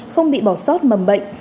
không bị bỏ sót mầm bệnh